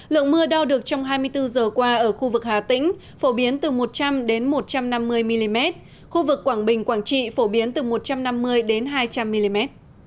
lượng mưa đo được trong hai mươi bốn giờ qua ở khu vực hà tĩnh phổ biến từ một trăm linh một trăm năm mươi mm khu vực quảng bình quảng trị phổ biến từ một trăm năm mươi hai trăm linh mm